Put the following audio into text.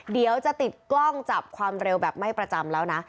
เดี๋ยวจะติดกล้องจับความเร็วแบบไม่ประจำแล้วนะ